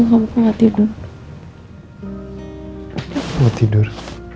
kok gak tidur